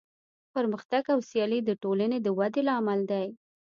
پرمختګ او سیالي د ټولنې د ودې لامل دی.